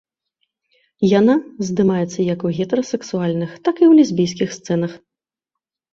Яна здымаецца як у гетэрасексуальных, так і ў лесбійскіх сцэнах.